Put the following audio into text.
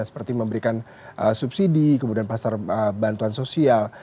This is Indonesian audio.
seperti memberikan subsidi kemudian pasar bantuan sosial